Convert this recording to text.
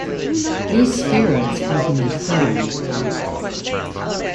These spirits are the Nephilim.